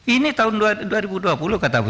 ini tahun dua ribu dua puluh kata bu